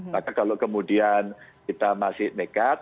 maka kalau kemudian kita masih nekat